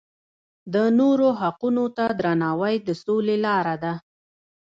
د نورو حقونو ته درناوی د سولې لاره ده.